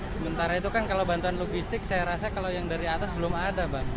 sementara itu kan kalau bantuan logistik saya rasa kalau yang dari atas belum ada bang